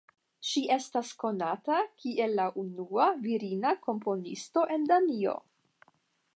Ŝi estas konata kiel la unua virina komponisto en Danio.